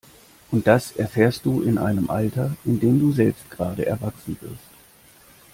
Und das erfährst du in einem Alter, in dem du selbst gerade erwachsen wirst.